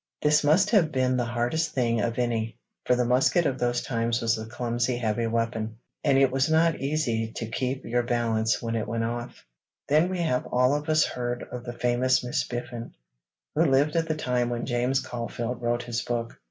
This must have been the hardest thing of any, for the musket of those times was a clumsy, heavy weapon, and it was not easy to keep your balance when it went off. Then we have all of us heard of the famous Miss Biffin, who lived at the time when James Caulfield wrote his book.